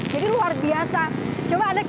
jadi luar biasa